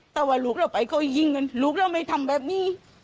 แต่ว่าลูกแล้วไปเขายิงกันลูกแล้วไม่ทำแบบนี้